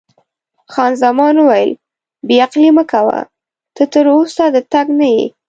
خان زمان وویل: بې عقلي مه کوه، ته تراوسه د تګ نه یې.